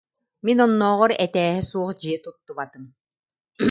Мин оннооҕор этээһэ суох дьиэ туттубатым